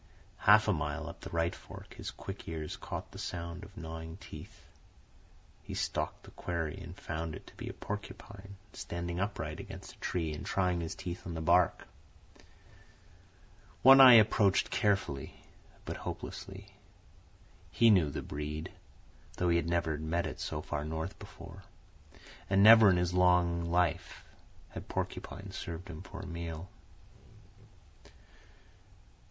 Half a mile up the right fork, his quick ears caught the sound of gnawing teeth. He stalked the quarry and found it to be a porcupine, standing upright against a tree and trying his teeth on the bark. One Eye approached carefully but hopelessly. He knew the breed, though he had never met it so far north before; and never in his long life had porcupine served him for a meal.